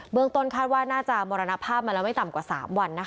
เมืองต้นคาดว่าน่าจะมรณภาพมาแล้วไม่ต่ำกว่า๓วัน